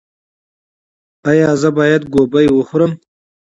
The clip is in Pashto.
ایا زه باید ګلپي وخورم؟